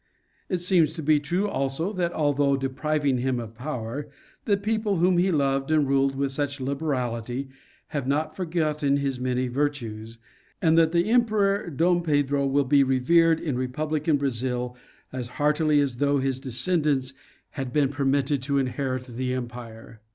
It seems to be true, also, that although depriving him of power, the people whom he loved and ruled with such liberality, have not forgotten his many vir tues, and that the Emperor Dom Pedro will be revered in republi can Brazil as heartily as though his descendants had been per mitted to inherit the empire.